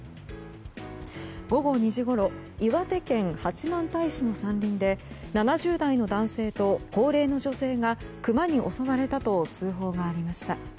午後２時ごろ岩手県八幡平市の山林で７０代の男性と高齢の女性がクマに襲われたと通報がありました。